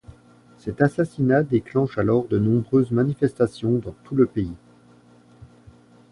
Cet assassinat déclenche alors de nombreuses manifestations dans tout le pays.